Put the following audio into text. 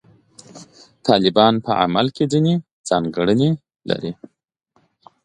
طالبان په عمل کې ځینې ځانګړنې لري.